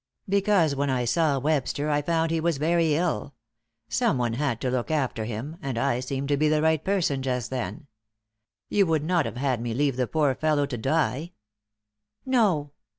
"Because when I saw Webster I found he was very ill. Someone had to look after him, and I seemed to be the right person just then. You would not have had me leave the poor fellow to die?" "No."